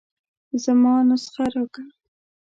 زما نسخه راکه.